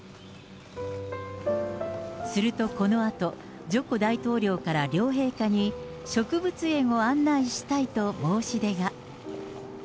すると、このあと、ジョコ大統領から両陛下に植物園を案内したいと申し出が。